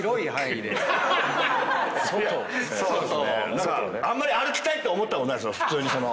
何かあんまり歩きたいって思ったことないんすよ普通に。